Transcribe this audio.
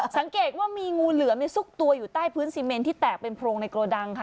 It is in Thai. สังเกตว่ามีงูเหลือมซุกตัวอยู่ใต้พื้นซีเมนที่แตกเป็นโพรงในโกดังค่ะ